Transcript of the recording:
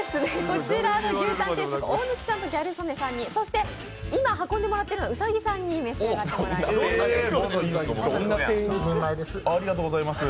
こちらの牛たん定食大貫さんと兎さんに、そして今運んでもらってるのは兔さんに召し上がってもらいます。